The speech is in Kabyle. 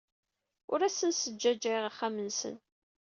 Ur asen-sgajjayeɣ axxam-nsen.